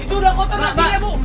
itu sudah kotor nasinya bu